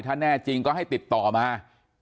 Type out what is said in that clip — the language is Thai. ถ้าแน่จริงก็ให้ติดต่อมา